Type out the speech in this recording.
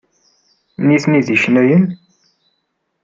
Nitni d icennayen?